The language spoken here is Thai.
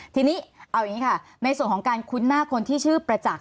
ทีนี้เอาอย่างนี้ค่ะในส่วนของการคุ้นหน้าคนที่ชื่อประจักษ